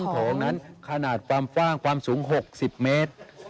โถงนั้นขนาดความกว้างความสูง๖๐เมตร